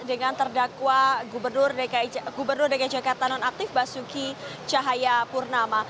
dengan terdakwa gubernur dki jakarta nonaktif basuki cahayapurnama